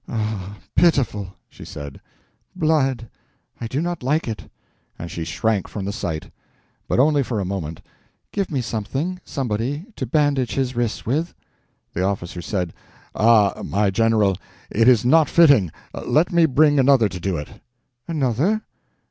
"Ah, pitiful!" she said; "blood—I do not like it"; and she shrank from the sight. But only for a moment. "Give me something, somebody, to bandage his wrists with." The officer said: "Ah, my General! it is not fitting. Let me bring another to do it." "Another?